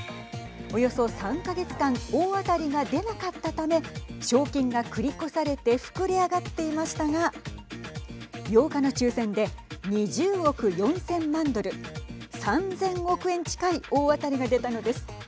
およそ３か月間大当たりが出なかったため賞金が繰り越されて膨れ上がっていましたが８日の抽せんで２０億４０００万ドル３０００億円近い大当たりが出たのです。